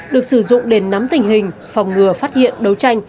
được sử dụng để nắm tình hình phòng ngừa phát hiện đấu tranh